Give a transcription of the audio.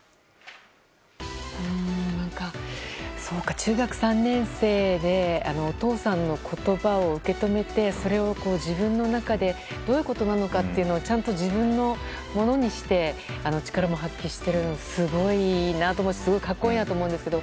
中学３年生でお父さんの言葉を受け止めてそれを自分の中でどういうことなのかとちゃんと自分のものにして力も発揮しているのはすごい、何とも格好いいなと思うんですけど。